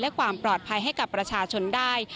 และความปลอดภัยให้กับประชาชนได้